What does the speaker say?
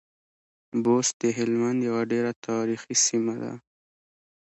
بُست د هلمند يوه ډېره تاريخي سیمه ده.